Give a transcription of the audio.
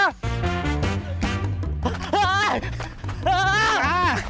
มา